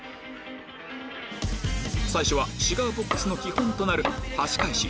最初はシガーボックスの基本となるはし返し